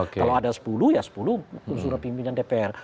kalau ada sepuluh ya sepuluh surat pimpinan dpr